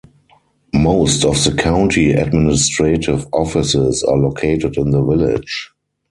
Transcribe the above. Most of the county administrative offices are located in the village.